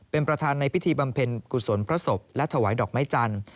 เป็นประธานในพิธีบำเพ็ญกุศลพระศพและถวายดอกไม้จันทร์